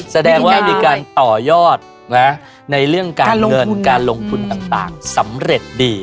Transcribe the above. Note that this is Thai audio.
แสดงว่ามีการต่อยอดในเรื่องการเงินการลงทุนต่างสำเร็จดี